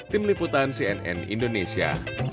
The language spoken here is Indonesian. tim liputan cnn indonesia